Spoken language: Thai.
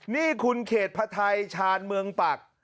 นี่คุณเขตภัทรชาญเมืองปัก